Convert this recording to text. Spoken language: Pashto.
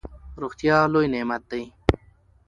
روغتیا لوی نعمت دئ.